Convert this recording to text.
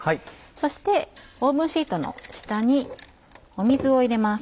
そしてオーブンシートの下に水を入れます。